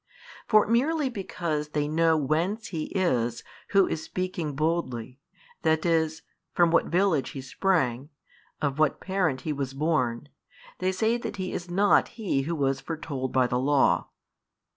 For merely because they know whence He is who is speaking boldly, that is, from what village He sprang, of what parent He was born, they say that He is not He Who was foretold by the Law.